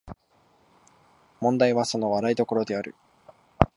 問題はその笑い所である